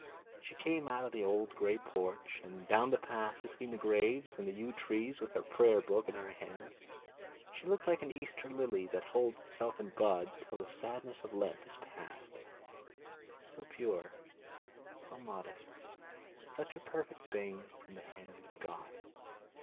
She came out of the old grey porch and down the path between the graves and the yew trees with her prayer book in her hand. She looked like an Easter lily that holds itself in bud till the sadness of Lent is past, so pure, so modest, such a perfect thing from the hand of God.